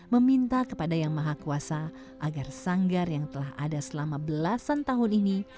meminta kepada yang maha kuasa agar sanggar yang telah ada selama belasan tahun ini